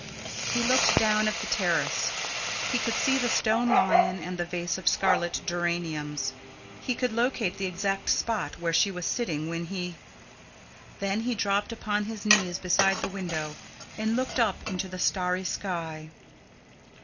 He looked down at the terrace. He could see the stone lion and the vase of scarlet geraniums. He could locate the exact spot where she was sitting when he Then he dropped upon his knees beside the window and looked up into the starry sky.